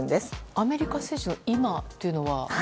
アメリカ政治の今というのは？